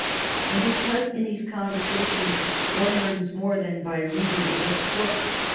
"And because in these conversations one learns more than by reading the best books